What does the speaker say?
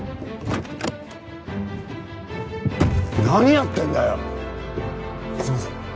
何やってんだよ！